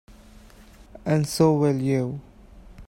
And so will you.